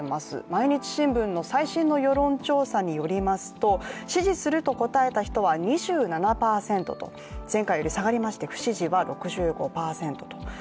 「毎日新聞」の最新の世論調査によりますと支持すると答えた人は２７％と前回よりも下がりまして不支持は６５％と。